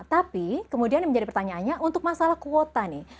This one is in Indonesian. tapi kemudian yang menjadi pertanyaannya untuk masalah kuota nih